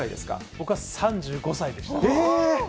僕は３５歳でした。